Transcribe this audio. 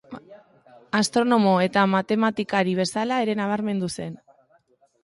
Astronomo eta matematikari bezala ere nabarmendu zen.